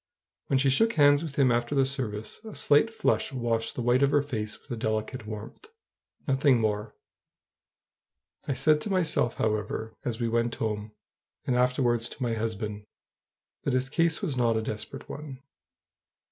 When she shook hands with him after the service, a slight flush washed the white of her face with a delicate warmth, nothing more. I said to myself, however, as we went home, and afterwards to my husband, that his case was not a desperate one.